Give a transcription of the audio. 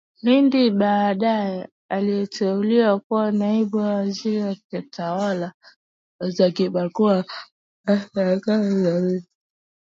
LindiBaadaye aliteuliwa kuwa Naibu Waziri wa Tawala za Mikoa na Serikali za Mitaa